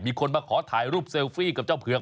มีคนมาขอถ่ายรูปเซลฟี่กับเจ้าเผือก